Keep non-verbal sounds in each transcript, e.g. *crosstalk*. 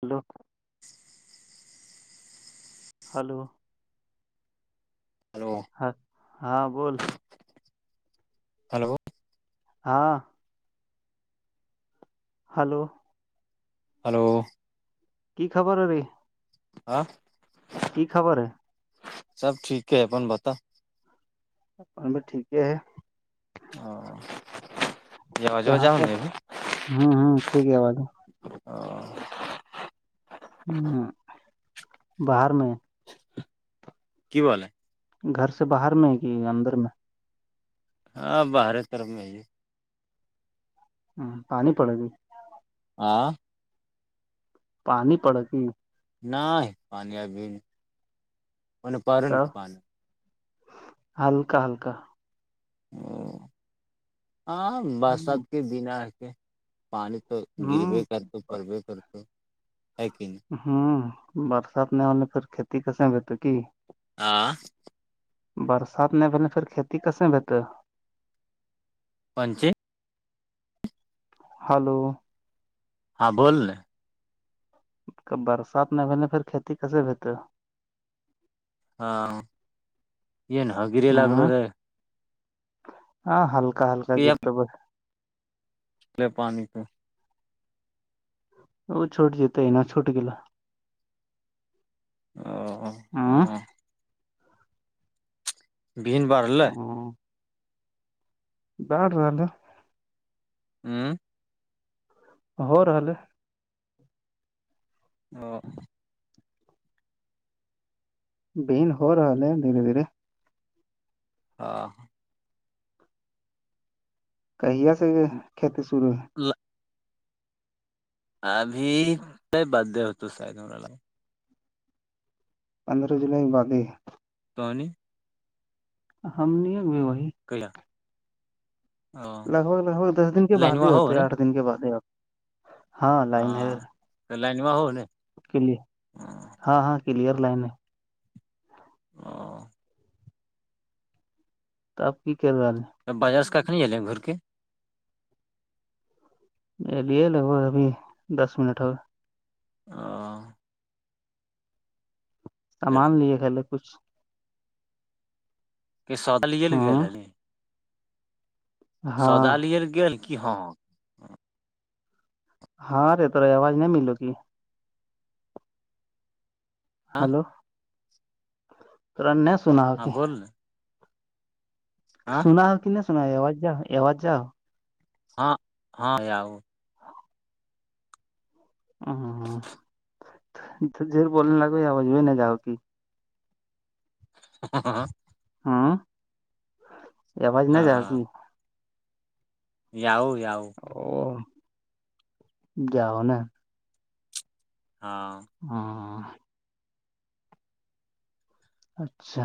hello *inaudible* hello hello ہاں ہاں بول ہلو ہاں ہلو ہلو کی خبر او بھیی ہاں کی خبر ہے سب ٹھیک ہے ہے اپن بتاؤ اپن میں ٹھیک ہے ہاں کہاں پر ہوں ہوں ٹھیک ہے آواز ہے ا *unintelligible* ہوں باہر میں کی بولے گھر سے باہر میں ہے کہ اندر میں ہاں باہر طرف میں ہی ہ پانی پڑے گ آ پانی پڑ گی نہ پانییاب منے پار تب کہ پانی ہلکا ہلکا ا ہاں برسات ہوں کے بنا کے پانی تو گروے کرتا پربے کر تو ہے کہ نہیں ہوں برسات نہ ہو پھر کھیتی کیسے ہوت کی ہ برسات نہیں پے پھر کھیتی کیسے میں بھیت ہے پنچے ہلو ہاں بولنے ب برسات نہیں پے پھر کھیتی کیسے بھیت ہے ہاں یہن ہگری لگل ہ رے ہاں ہلکا ہلکا گرت ب لے پانی پہ وہ چھٹ جتا ا ن چھٹ گ ہ بین بارل بڈ رہلہ ہوں ہو رہا ہے اور بین ہو رہا ہے دھیرے دھیرے ہاںاں کییا سے کھیتی شروع ہے ابھی تو برھ ڈے ہوتا ساحید ما پندرہ جولائی بادی توانی ہم نہیں اب وہی کلاا لگ بھگ لگ بھ دس دن کے بعد ہی ہوتے آٹھ دن کے بعد ہی ہوتے ہاں کر لائینوا ہوول کلی ہاں ہاں کلیئر لائن ہے ہوں تو آپ کی کروا ہیں ب بازار سے کننی الیں گھر کے ا لیے لگ بھگ ابھی دس منٹ ہوگا ہ سامان لیے پہلے کچھ کہ سدلی ل گ ہے ہاں ن ہاں سدالیر گ کی ہاں ہاں رے توے آواز نہیں ملو گی ہلو تر نے سنا کی ہاں سنا ہو کہ نہیں سناؤ ا آازج جاؤ اواز جاؤ ہاں ہاںؤ اھر جھر بولنے لگو آواز بھی نا جاؤک ہاں ہ ہوں اوج نہیں جائے گی ؤ جؤ او جاؤ نا ہاں ہاں اچھا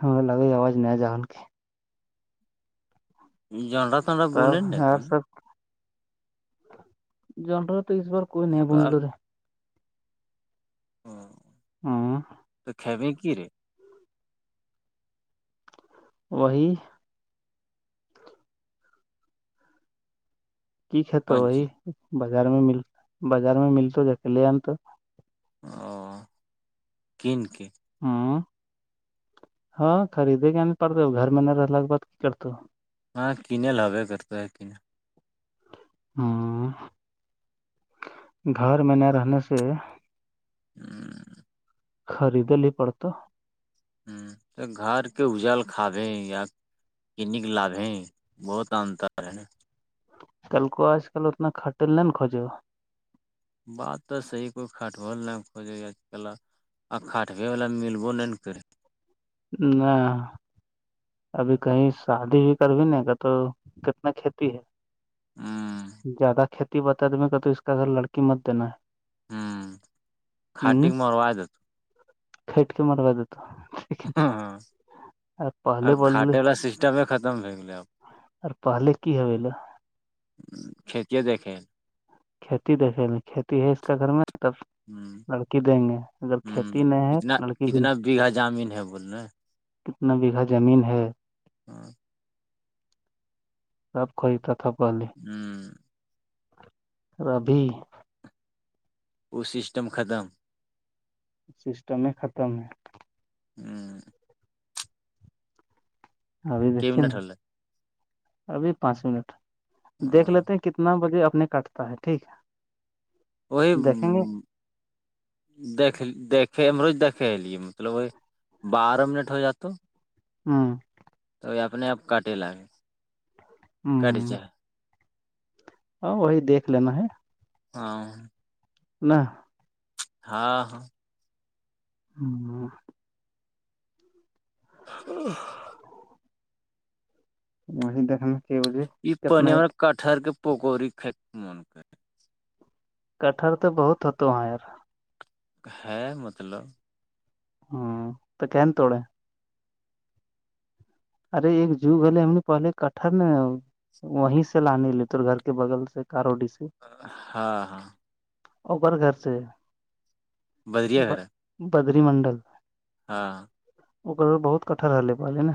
ہاں لگے آواز نہیںیا جاگن کے جنڈا تنڈا گنیں ن تو نہیں جنڈر تو اس بار کوئی نہیں بولل رے ہ ہاں تو کےبے کی رے وہی کی کت وہی بازار میں مل بازار میں ملت جک لے آنتا او کنک ہوں ہاں خریدے کے نہیں پڑتے گھر میں نہیں رہ کے بعد کی کرتا ہاں کینے ل ہوبے کرتے ہے کینا ہ گھر میں نہ رہنے سے ہ خریدلی پڑتا ہ تو گھر کے اجل کھاابے یا ک نک لابب ہے بہت انتر ہے نا کل کو آج کل اتنا خھٹل نہیں ن کوجے ہو بات تو صحیح کوئی کھٹبول نہیں کوجے ہے آج ک ا کاٹوے والا ملو نہیں کری ہ ابھی کہیں شادی بھی کرو نہیں گ تو کتنا کھیتی ہے ہوں زیادہ کھیتی بتا ت کہ تو اس کا اگر لڑکی مت دینا ہے ہوں ہ خاٹیک مروا دت کھٹ کے مروا دیتا یک ہاں ہاں ا کھٹے والا سسٹم ختم ہو گے آپ اور پہلے کی ہے بولے کھیتی ہے دیکھیں کھیتی دیکھے میں کھیتی ہے اس کا گھر میں تب لڑکی دیں گے اگر کھیتی نہیں ہے تو لڑکی بھی کتنا بیگھہ زمین ہے ہاں آب خوئی ت تھاپے ہوں ربی وہ سسٹم ختم سسٹمیں ختم ہے ہوں ابھی دیکھیے نا ابھی پانچ منٹ دیکھ لیتے ہیں کتنا بجے اپنے کاٹتا ہے ٹھیک ہے وہی دیکھیں گے دیک دے ہمرو دےلیے مطلب وہ بارہ منٹ ہو جاتا ہاں تو اپنے آپ کاٹے لگے کٹ ج ہ ہاں وہی دیکھ لینا ہے ہاں نہ ہاں ہاں ہاں ا م دیک نا کہ بجے یہ پانی ہمارے کٹہر کے پکڑی ک من کر کٹہر تو بہت ہوت وہاں ار ہے مطلب ہاں تو کہن تھڑے ارے ایک جو گے پہلے کٹر ن آ وہیں سے لانے لیے تو گھر کے بغل سے کارو ڈی سے ہاں ہاں اوپر گھر سے ب بدری منڈل ہاں ا بہت کٹہر رہے پہلے نا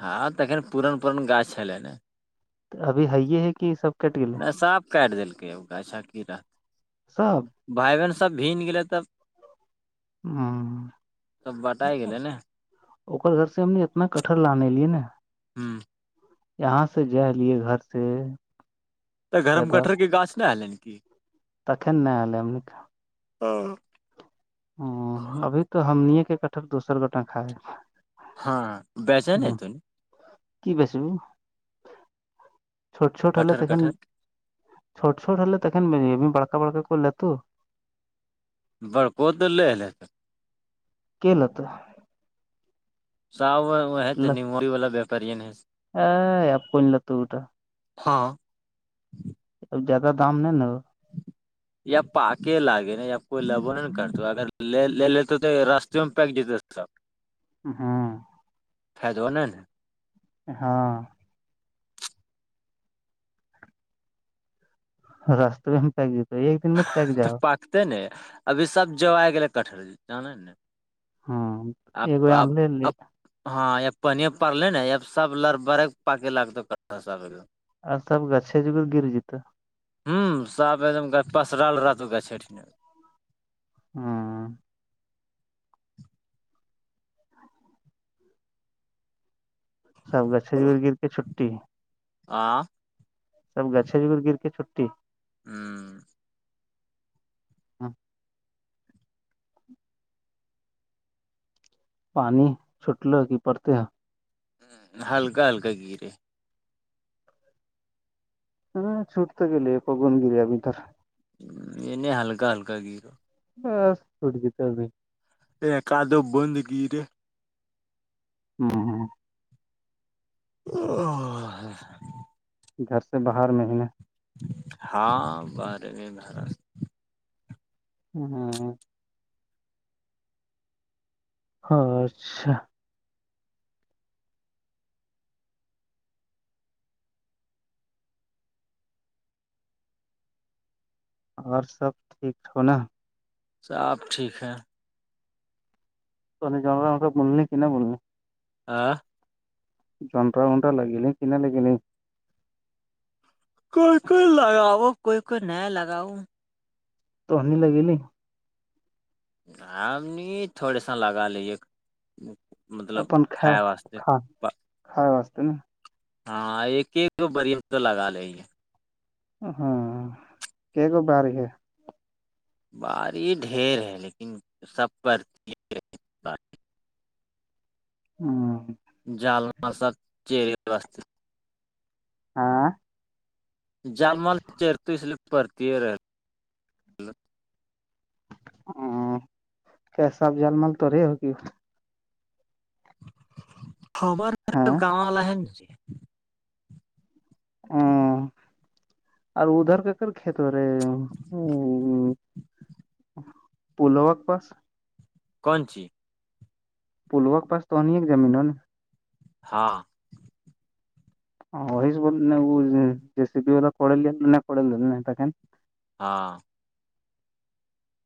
ہاں تو ان پورن پورن گاچ چے نا ابھی ہے یہ ہے کہ سب کٹ گلے ن صاف کاٹ دلکے ا گ اچھا کی رہتا سب بھائی بہن سب بھیگ گے تب ہاں ا گھر سے ہم نے اتنا کٹہر لانے لیے نا یہاں سے جا لیے گھر سے ت گھرم پیدا کٹہر کے گاھ نہا ایلن کی تخن نہیں آلے ہم ہاں ہ ابھی تو ہمن کے کٹہر دوسر گوٹا کائے ہاں بیچان تو کی بس ب چھٹ چھوٹ حال تون چھوٹ چوٹلےیکینے بھی بڑکا بڑکا کر ل تو بڑک تو لےل س ک ل تھا سا وہت نموئی والا بیپرین ہے ا آپن ل توٹا ہاں اب زیادہ دام نہیں نا ہو یا پک لگے نا یا کوئی لبو نہیں کرتا اگر لے لے لیتے تو راستے میں پک جتے سحب ہاں فائد ہو نہیں نا ہاں رست بھی ہم پ دی ایک دن مر تو پاکتے ن ابھی سب جو آ گے کٹہر ج جان نا ہاں آپ آپ آپ ہاں ب پہانی پڑلے نا ب سب لر بر پاک لگتا س اور سب گچھے جگھر گر جتا ہ سب ایک دم پسرل رہ ا چٹنی ہاں سب گچے ج گر کے چھٹٹی آ سب گچھے جگر گر کے چھٹی ہاں پانی چھوٹ ل کہ پڑتے ہیں ہلکا ہلکا گیرے ہاں چھوٹ تو گیلی پگن گیلی ابھیدھر انے ہلکا ہلکا گیرا بس چوڑتا بھی ایک کاد بند گییرے ہاں ہاں *unintelligible* گھر سے باہر منت ہاں بارے میں مہاراج ہاں ہاں اچھا اور سب ٹھ نا ساب ٹھیک ہے تو جگاا بول کہ ن بول آ جنرا ونٹرا لگیے کن لگلے کوئی کوئی لگاؤ کوئی کوئی نہیں لگاؤ تو ہنی لگیلی آم نہیں تھوڑے س لگا لیے مطلب اپن کھا واسطتے کھا کھائے واستے نا ہاں ایک ایک بریم تو لگا لیں ہیں ہاں کیاک ب رہ ہے باری ڈھیر ہے لیکن سب پر ت ہوں جال مر سات چرے بستے ہاں جال مال چیر تو اس لیے پڑتی ہی رہتی ہ کیسا جال مال توڑی ہوگی خبر میر ہاں گاوں لحنی ہاں اور ادھر کاکر کھیت رے پولوک پاس کونچی پلوک پس تو نہیںنی ایک زمین ہو نا ہاں ہاںس بول ن وہ ج واللا ک ن ک نین ہاں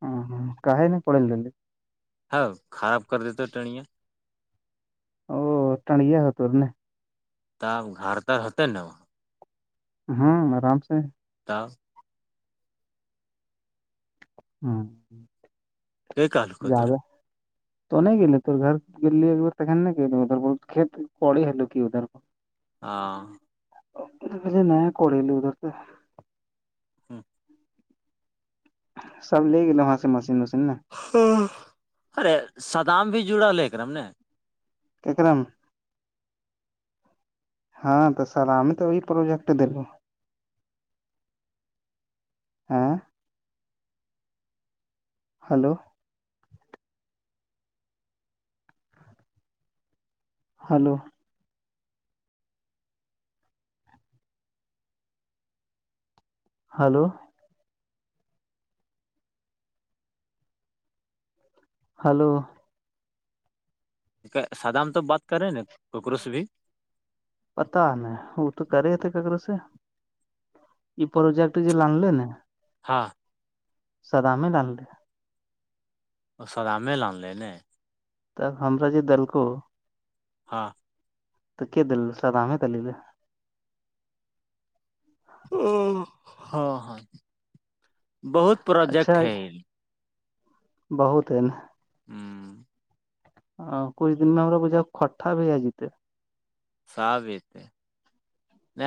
ہ ہ کہیں نہیں پڑےل لے ہ خراب کر دیتا ٹنیاں او ٹن گیا ہو توور نے ت گھر ت ہوتے نا ہاں آرام سے تا ہ کہ کہلکوتر زدہ تو نہیں گیے توور گھر گلیے ایکارن نے گل ادھر ب کت ق ہیلو کی ادھر پ ہاں ن کوڑی ل ادھر سے ہچ سب لے گو وہاں سے مشین وشین نا ارے سدام بھی جڑا ہے کر ر ہم نے کیاکرام ہاں تو سر ہمیں تو وہ پروجیکٹ دل ہاں ہلو ہلو ہلو ہلو سادا ہم تو بات کر رہے ہیں نا ککروس بھی پتا ن وہ تو کرے تھے ککے سے یہ پروجیکٹ جو لانلے نا ہاں سداام ہی لان رہے اور سدام میں لانلے ن تب ہمرا ج دلک ہاں تو کیا دل سدام ہےت علیل او ہاں ہاں بہت پروجیکٹ ہے بہت این ہوں ہ کچئی دن میں ہمر پ جا کٹا بھی ہے جیتے ہے سب اتے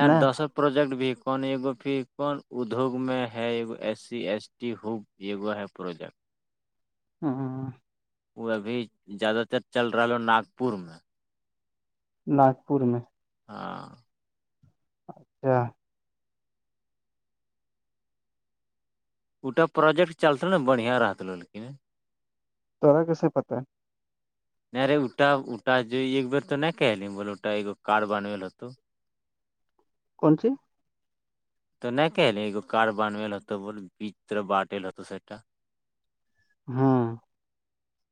ن دسوں پروجیکٹ بھی کونو پ کون ادوگ میں ہے ای سی ایس ٹی ہو یہگو ہے پروجیکٹ ہاں ہاں وہ ابھی زیادہ تر چل رہا ہو ناگ پور میں ناگپور میں ہاں اچھا ا پروجیکٹ چلتا نا بڑھیا رہیکن تڑا کیسے پت ہے نہیں رے اٹا اٹا جو ایک بیر تو نہیں کہل بولے کارڈ بنویل ہوت کون سی تو نہیں کہ ایگ کار بنو ل ہوتا بول بیچر بانٹل ہوت سا ہاں